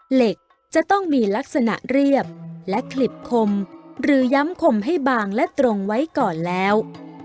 เหล็กจะต้องมีลักษณะเรียบและขลิบคมหรือย้ำคมให้บางและตรงไว้ก่อนแล้ว